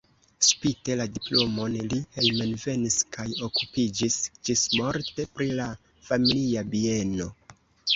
Spite la diplomon li hejmenvenis kaj okupiĝis ĝismorte pri la familia bieno.